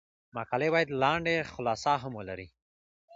مقالې باید لنډه خلاصه هم ولري.